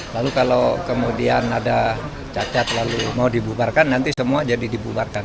lalu kalau kemudian ada cacat lalu mau dibubarkan nanti semua jadi dibubarkan